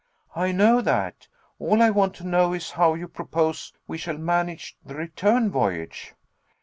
"I know that. All I want to know is how you propose we shall manage the return voyage?"